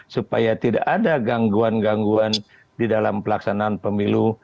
supaya tidak ada gangguan gangguan di dalam pelaksanaan pemilu